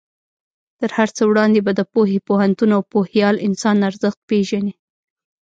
تر هر څه وړاندې به د پوهې، پوهنتون او پوهیال انسان ارزښت پېژنې.